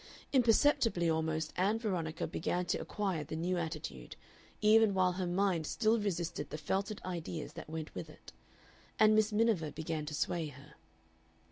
Imperceptibly almost Ann Veronica began to acquire the new attitude, even while her mind still resisted the felted ideas that went with it. And Miss Miniver began to sway her.